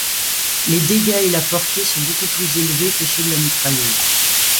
Les dégâts et la portée sont beaucoup plus élevés que ceux de la mitrailleuse.